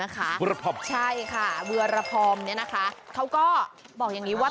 เขาก็บอกอย่างนี้ว่า